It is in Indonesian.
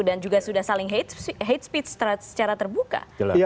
juga sudah saling hate speech secara terbuka